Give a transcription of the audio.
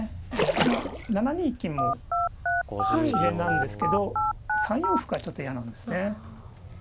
まあ７二金も自然なんですけど３四歩がちょっと嫌なんですね。